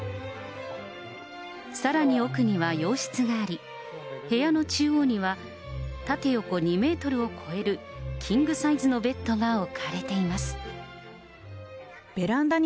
さらに奥には洋室があり、部屋の中央には、縦横２メートルを超えるキングサイズのベッドが置かれています。